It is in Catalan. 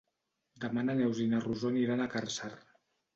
Demà na Neus i na Rosó aniran a Càrcer.